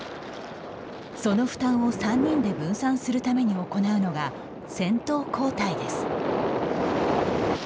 その負担を３人で分散するために行うのが先頭交代です。